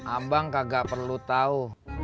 abang kagak perlu tau